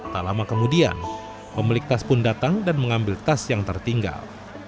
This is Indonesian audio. tak lama kemudian pemilik tas pun datang dan mengambil tas yang tertinggal